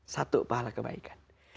satu pahala kebaikan